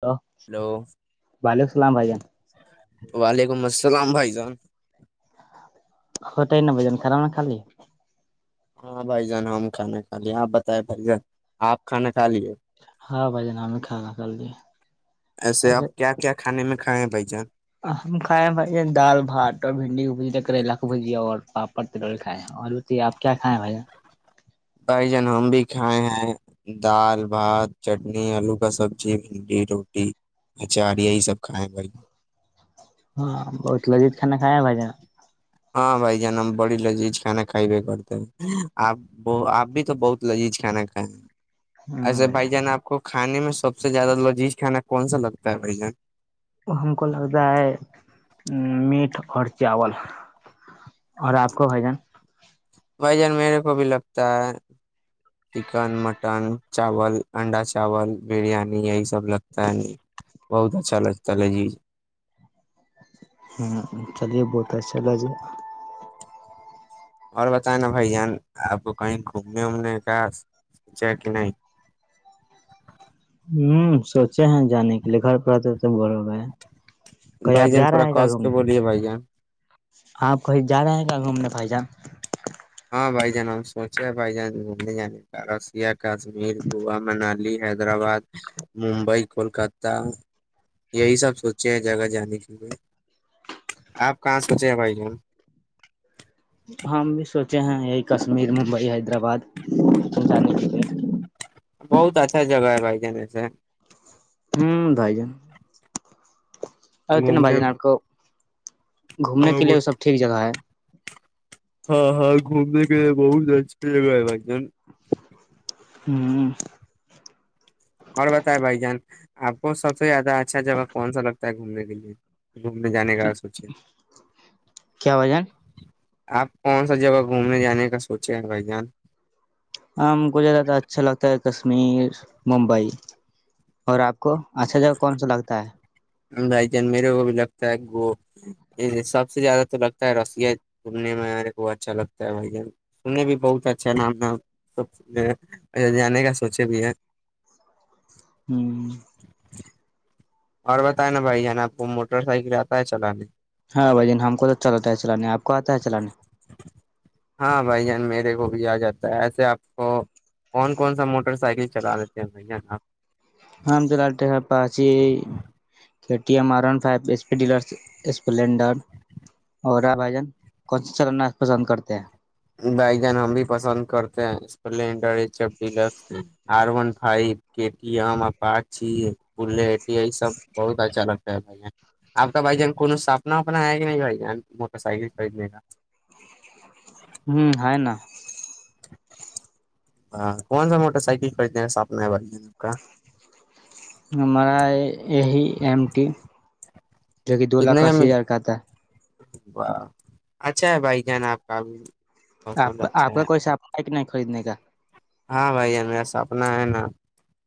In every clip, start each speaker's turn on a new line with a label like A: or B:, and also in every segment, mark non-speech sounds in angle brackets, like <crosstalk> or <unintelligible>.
A: Hello
B: hello
A: وعلیکم السلام بھائی جان
B: وعلیکم السلام بھائی جان
A: ہوتا ہی ن ب جن خراب نا خالی
B: ہاں بھائی جان ہم کھانا کھا لیے آپ بتائے بھائی جان آپ کھانا خ لییے
A: ہاں بھائی ج نام میں کھاا کر د
B: ایسے آپ کیا کیا کھانے میں کھائے ہیں بھائی جان
A: ا ہم کھائے بھائی دال بھات اور بھنڈی کو بجیا کریلا کو بھجیا اور پاپ پتے کھائے ہیں اور رتی آپ کیا کھائے ہیں بھ
B: بھائی جان ہم بھی کھائے ہیں دال بھات چٹنی آلو کا سبزی بھنڈی روٹی اچار یہی سب کھائے بھائی
A: ہاں بہت لذیذ کھانا کھیا بھائی جان
B: ہاں بھائی جان ہم بڑی لذیذ کھانا کھائی بھیے کرتے ہیں آپ آپ بھی تو بہت لذیذ کھانا کھائے ہیں ایسے بھائی جان آپ کو کھانے میں سب سے زیادہ لذیذ کھانا کون سا لگتا ہے بھائی جان
A: ہم کو لگتا ہے میٹ اور چاول اور آپ کا بھجن
B: بھائی جان میرے کو بھی لگتا ہے چکن مٹن چاول انڈا چاول بریانی یہی سب تب لگتا ہے نہیں بہت اچھا لگتا ہے جی
A: ہاں چلیے بہت اچھا لگے
B: اور بتائ نا بھائی جان آپ کو کہیں گھومنے وومنے کا سوچا کہ نہیں
A: ہوں سوچے ہیں جانے کے لیے گھر پر آتے تو بولو گ
B: بھائی جان تھوڑا کس کے بولیے بھائی جان
A: آپ کہیں جا رہے ہیں کیا گھومنے پائی جان
B: ہاں بائی جان ہم سوچے بائی جان گے جانے کاشمیر گووا منالی حیدرآباد ممبئی کولکاتہ یہی سب سوچے ہیں جگہ جان آپ کہاں سوچے ہیں بھائی جان
A: ہم بھی سوچے ہیں یہی کشمیر ممبئی حیدرآباد پ جانے کے لیے
B: بہت اچھا جگہ ہے بھائی جانے کیلئے
A: ہمم بھائی جان اب ت
B: گھومنے
A: بجنا کو گھومنے کے لیے وہ سب ٹھیک جگہ ہے
B: ہاں ہاں گھومنے کے لیے بہت اچھی جگہ ہے بھائی جان
A: ہمم
B: اور بتائے بھائی جان آپ کو سب سے زیادہ اچھا جگہ کون سا لگتا ہے گھومنے کے لیے گھومنے جانے کا سوچے
A: کیا بھائی جان
B: آپ کون سا جگہ گھومنے جانے کا سوچے بھائی جان
A: ہاں کوھیاہ اچھا لگتا ہے کشمیر ممبئی اور آپ کو اچھا ج کون سا لگتا ہے
B: بھائی جان میرے کو بھی لگتا ہے سب سے زیادہ تو لگتا ہے رسییا گھومنے میں میرے کو اچھا لگتا ہے بھائی جان سننے بھی بہت اچھا ہے نام نام سب جانے کا سوچے بھی ہے
A: ہ
B: اور بتائیں نا بھائی ج ن آپ کو موٹر سائیکل آتا ہے چلانے
A: ہاں بھائی جین ہم کو تو چلاتا ہے چلانے آپ کو آتا ہے چلانے
B: ے کو بھی آ جاتا ہے ایسے آپ کو کون کون سا موٹر سائیکل چلا لیتے ہیں بھائی جان آپ
A: ہاںال پاچی ٹیر ف اسپ ڈلر اسپلینڈر اورا بھن کون سا چلانا پسند کرتے ہیں
B: بھائی جان ہم بھی پسند کرتے ہیں اسپلینڈر ڈ آر و ف ب سب بہت اچھا لگتا ہے بھائی آپ کا بھائی جان کو سپنا ونا ہے کہ نہیں بھائی جان موٹر سیکل خریدنے کا
A: ہمم ہے نا
B: ہاں کون سا موٹر سائیکل خریدنے ہیں سپنا ہے ب آپ کا
A: ہمارا یہی ایم ٹی جو کی دو لاکھ اسی ہزار کا آتا ہے
B: واہ اچھا ہے بھائی جان آپ کا بھی
A: آپ آپ کا کوئی سپنا کہ نہیں خریدنے کا
B: ہاں بھائی جان میرا سپنا ہے نا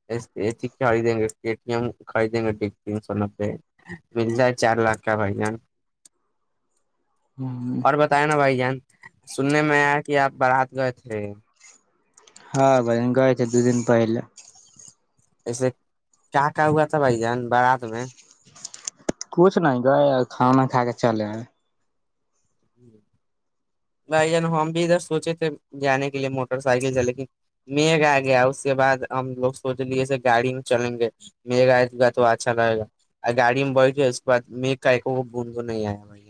B: اے سی خریدے گے اے ٹی ایم بھی خریدیں گے تین سو نبے مل جائے چار لاکھ کا بھائی جان
A: ہ
B: اور بتایے نا بھائی جان سننے میں آیا کہ آپ بارات گئے تھے
A: ہاں بھائی جان گئے تھے دو دن پہلے
B: ایسے کیا کیا ہوا تھا بھائی جان بارات میں
A: کچھ نہیں گئے کھانا کھا کے چلے آئے
B: بھائی جان ہم بھی ادھر سوچے تھے جانے کے لیے موٹر سائیکل سے لیکن میگھ آ گیا اس کے بعد ہم لوگ سوچ لیے گاڑی میں چلیں گے میگھ آ گا تو اچھا لگے گا گاڑی میں بیٹھ گئے اس کے بعد میگھ کا ایکو گو بند نہیں آیا بھائی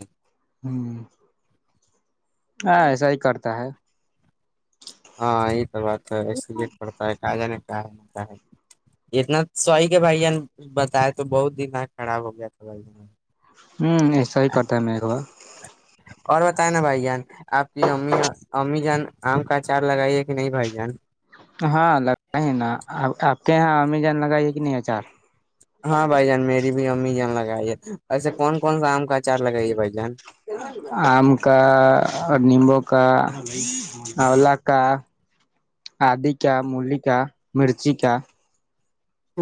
A: ہ ہاں ایسا ہی کرتا ہے
B: ہاں یہ تو بات ہے اسی لیے پڑتا ہے کا جانے اتنا سوری کہ بھائی جان بتائے تو بہت دماغ خراب ہو گیا تھا بھائی
A: ہمم ایسا ہی کرتا ہے میگھوا
B: اور بتائے نا بھائی جان آپ کی امی امی جان آم کا اچار لگائی کہ نہیں بھائی جان
A: ہاں لگتا ہے‌ نا آپ کہ یہاں امی جان لگائی کہ نہیں اچار
B: ہاں بھائی جان میری بھی امی جان لگا <unintelligible> بھائی جان
A: آم کا اور نیمبو کا اولا کا آدی کا مولی کا مرچی کا
B: <unintelligible>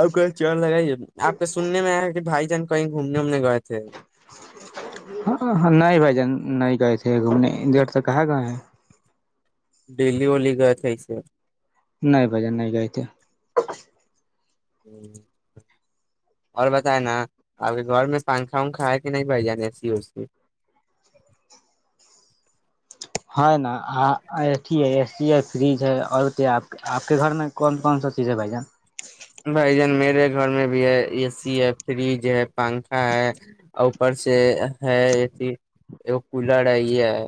B: آم کا اچار لگائی آپ کا سننے میں آیا ہے کہ بھائی جان کئی گھومنے وومنے گیے
A: نہیں بھائی جان نہیں گئے تھے گھومنے اتنے دیر سے کہا گے ہے
B: ڈیلی ویلی گے تھے ایسے
A: نہیں بھائی جان نہیں گئے تھے
B: اور بتائے نا آپ کے گھر میں پنکھا ونکھا ہے کہ نہیں بھآئی جان ایسی اوسی
A: ہے نا اے سی ہے فریج ہے اور کیا آپ آپ کے گھر میں کون کون سا چیز ہے بھائی جان
B: بھائی جان میرے گھر میں بھی ہے اے سی ہے فریج یہ ہے پنکھا ہے اوپر سے ہے اے سی کولر ہے یہ ہے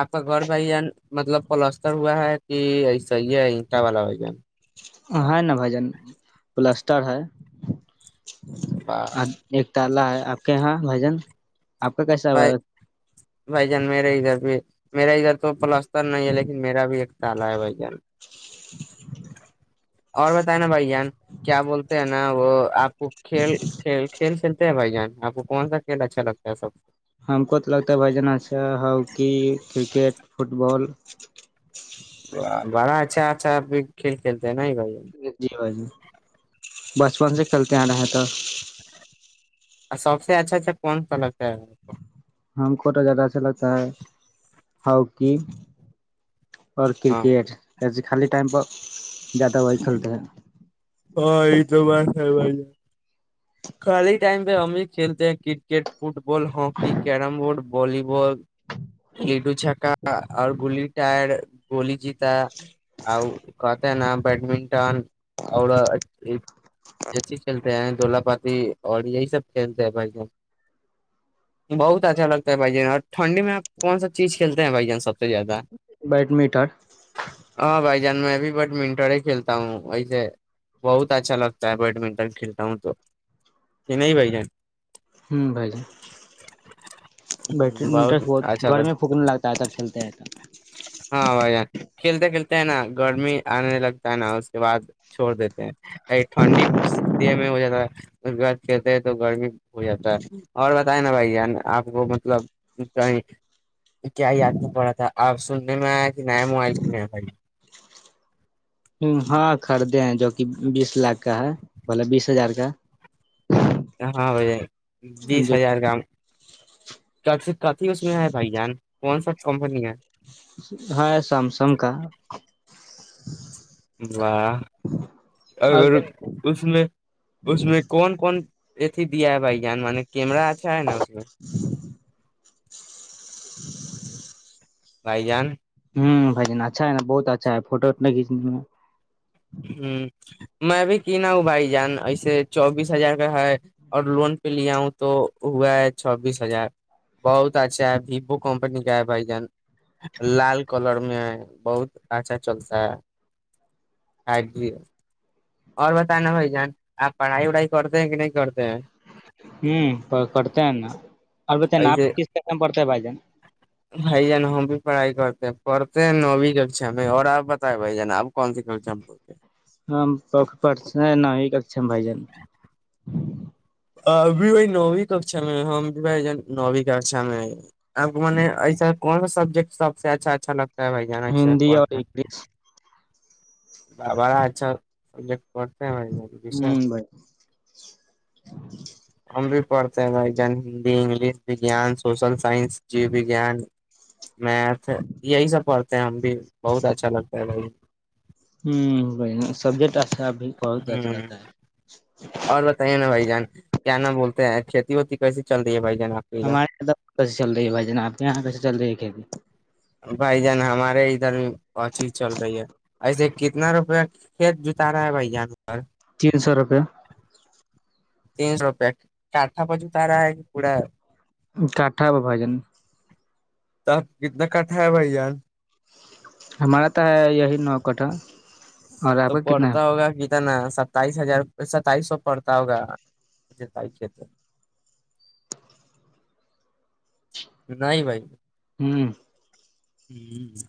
B: آپ کا گھر بھائی جان مطلب پلستر ہوا ہے کہ ایسا ایٹا والا بھائی جان
A: ہاں ہے نا بھآئی جان پلستر ہے ایک تالا ہے آپ کے یہاں بھای جان آپ کا کیسا
B: بھائی بھائی جان میرے ادھر بھی میرا ادھر تو پلس تر نہیں ہے لیکن میرا بھی ایک تالا ہے بھائی جان اور بتائے نا بھائی جان کیا بولتے ہیں نا وہ آپ <unintelligible> تے ہے بھائی جان آپ کون سا کھیل اچھا لگتا ہے سب
A: ہم کو تو لگتا ہے بھائی جان اچھا ہاکی کرکٹ فٹ بال
B: بڑا اچھا اچھااب بھی کھیل کھیلتے ہیں نا بھائی جان
A: جی بھائی بچپن سے کھیلتے آ رہا تھا
B: سب سے اچھا اچھا کون سا لگتا ہے
A: ہم کو تو زیادہ اچھا لگتا ہے ہکی اور
B: ہاں
A: کرکٹ آجی خالی ٹائم پرہ زیادہ وہی کھیلتے ہیں
B: ہاں یہ تو بات ہےر ب ہے خالی ٹائم پہ ہم بھی کھیلتے ہیں cricket football ball hockey carrom board volleyball لڈو چکا اور گلی ٹائر کوولی جیتا اور کہتے ہیں نا بیڈمنٹن اور اچھی کھیلتے ہیں دلہپ اور یہی سب کھیلتے بھ ج بہت اچھا لگتا ہے بھ جان اور ٹھنڈی میں آپ کون سب چیز کھیلتے ہیں بھائی جان سب سے زیادہ
A: بیڈمنٹن
B: ہاں بھائی میں بھی بیڈمنٹن ہی کھیلتا ہوں ایسے بہت اچھا لگتا ہے بیڈمنٹن کھیلتا ہوں تو یہ نہیں بھ جان
A: ہوں بھائی ج ب
B: جان
A: انٹرسٹ بہت
B: اچھا لگ
A: گرمی پونکنے لگتا ہے تب چھیلتے ہیں
B: ہاں بھائی جان
A: تب
B: کھیلتے کھیلتے ہیں نا گرمی آنے لگتا ہے نا اس کے بعد چھوڑ دیتے ہیں ٹھنڈی د میں ہو جاتا ہے بد کہتے تو گرمی ہو جاتا ہے اور بتائیں نا بھائی آپ کو مطلبیں کیا یاد میں پڑا تھا آپ سننے میں آیا کہ نیا موبائل سنے بھ
A: ہاں خریدے ہیں جو کہ بیس لاکھ کا ہے بلا بیس ہزار کا
B: ہاں بھائی بیس
A: جو
B: ہزار گام چارش کتھی اس میں ہے بھائی جان کون سا کمپنی ہے
A: ہاں سمسم کا
B: واہ
A: اور
B: اگر اس میں اس میں کون کون یہ تھی دیا ہے بائی جان م کیمرہ اھا ہے نا اس میں رائیجان
A: ہوں بھائی جان اچھا ہے نا بہت اچھا ہے فوٹوٹ کھیچنے میں
B: ہ میں بھی کی نہا ہوں بھائی جان ایسے چوبیس ہزار کا ہے اور لون پہ لیا ہوں تو ہوا ہے چوبیس ہزار بہت اچھا ہے ووو کمپنی کا ہے بھائی جان لال کلر میں ہے بہت اچھا چلتا ہے خ جری اور بتانا ہو جان آپ پڑھائی وڑھائی کرتے ہیں کہ نہیں کرتے ہیں
A: ہوں کرتے ہے نا اور بت ناپ
B: ایسے
A: کسم پڑتا ہے بھ جان
B: بھائی جان ہم بھی پڑھائی کرتے ہیں پڑتے ہیں نوبی کشا میں اور آپ بتیں بھائی جان آپ کون سی ککشا میں پڑھتے ہیں؟
A: ہمم پک پڑچ نہیں نہیں ہی کر چ ہم بھائی جان
B: ابھی بھائی نووی ککا میں ہم بھی بھائی نویں ککشا میں آ کو م ایسا کون سب سب اچھا اچھا لگتا ہ بھائی جانا سے
A: ہندی
B: پ
A: اور
B: پ
A: انگلش
B: بابا اچھا سبجیکٹ پڑھ بھائی
A: ہوں بھائی
B: ہم بھی پڑھتے ہیں بھائی جان ہندی انگلش ان سوشل سائنس جی و گان میتھ یہی سب پڑھتے ہیں ہم بھی بہت اچھا لگتا ہے بھائی
A: ہ ب سبجیکٹ اچھا بھی بہت اچھا
B: ہ
A: لگتا ہے
B: اور بتائیے نا بھائی جان کیا ن بولتے ہیں کھیتی ہوتی کیسی چل رہی ہے بھائی جان آپ کی ادھر
A: ہمارے یہاں کیسے چل رہی ہے بھائی جان آپ کے یہاں کیسے چل رہی ہے کھیتی
B: بھائی جان ہمارے ادھر ب چیز چل رہی ہے ایسے کتنا روپیہ کھیت جتا رہا ہے بھیاان پر
A: تین سو روپے
B: تین سو روپیہ کاٹا بازو تارا ہے کہ پورا
A: کاٹا ب بھ جان
B: تو آپ کتنا کھا ہے بھائی ار
A: ہمارا تو ہے یہی نو کٹھا اور آپ
B: تو
A: کا کتنا ہے
B: پڑھتا ہوگا کت ن سب ستائیس ہزار ستائیس سو پڑتا ہوگا کہتے نہیں بھائی
A: ہوں
B: ہ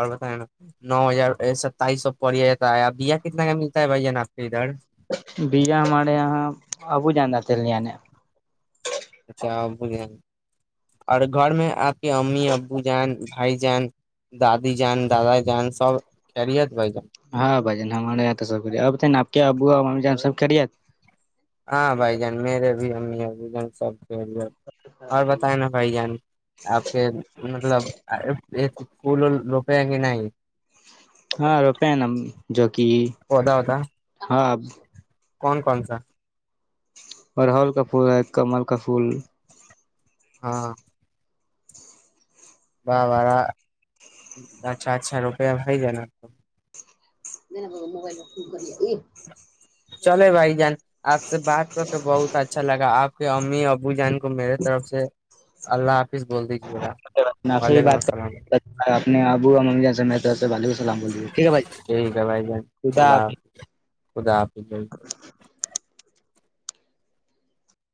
B: اور بتائ نا نو ہزار ستائیس سو پڑیا جاتا ہے بیا کتنا کا ملتا ہے بھائی ج نا
A: بیجا ہمارے یہاں آبو جاندا تھ ل نے
B: اچھا ابو جان اور گھر میں آپ کے امی ابو جان بھائی جان دادی جان دادا جان سب خیریت بھائی جان
A: ہاں بھن ہمارے یہاں تو سب کچھ اب تھ آپ کے ابو ج سب کری
B: ہاں بھائی جان میرے بھی امی ب جان سب اور بتائے نا بھائی جان آپ کے مطلب پکول روپیا کہ نہیں
A: ہاں روپے ن جوک
B: پودا ہوتا
A: ہاں
B: کون کون سا
A: ارہل کا پھول ہے کمل کا پھول
B: ہاں باہ بارہ اچھا اچھا روپیہ ہو ج نا تو
A: میں نے ب موبائل میں فون کر ا
B: چلے بھائی جان آپ سے بات کر کے بہت اچھا لگا آپ کے م ابو جان کو میرے طرف سے اللہ حافظ بول دیجے گا
A: آپ سے بھی
B: وعلیکم
A: بات
B: السلام
A: کر اپنے ابو اور امی جان سے میں طرف سے وعلیکم السلام بول دیجیے ٹھیک ہے بھائی
B: ٹھیک ہے بھائی جان اللہ حافظ خدا ج <inaudible>